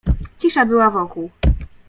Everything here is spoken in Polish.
Cisza była wokół.